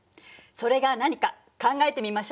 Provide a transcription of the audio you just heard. それが何か考えてみましょうか。